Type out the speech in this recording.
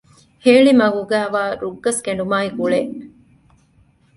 ހޭޅިމަގުގައިވާ ރުއްގަސް ކެނޑުމާއި ގުޅޭ